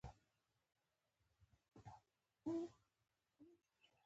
د کوپون له لارې پر خلکو وېشله.